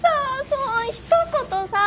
そんひと言さ。